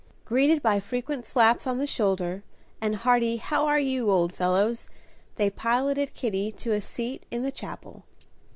Greeted by frequent slaps on the shoulder, and hearty "How are you, old fellows," they piloted Kitty to a seat in the chapel.